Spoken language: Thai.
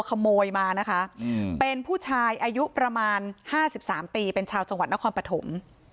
ขโมยมานะคะเป็นผู้ชายอายุประมาณ๕๓ปีเป็นชาวจังหวัดนครปฐม